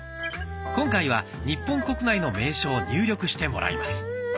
今回は日本国内の名所を入力してもらいます。